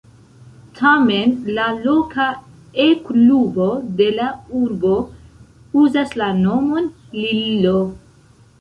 Tamen la loka E-klubo de la urbo uzas la nomon "Lillo".